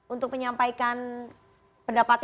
untuk menyampaikan pendapat